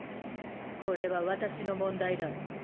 これは私の問題だ。